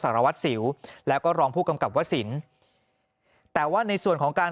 สารวัตรสิวแล้วก็รองผู้กำกับวสินแต่ว่าในส่วนของการ